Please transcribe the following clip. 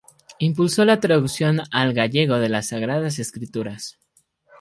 Impulsó la traducción al gallego de las Sagradas Escrituras.